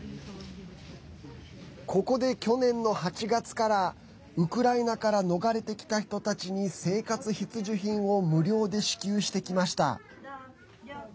ここで去年の８月からウクライナから逃れてきた人たちに生活必需品を無料で支給してきました。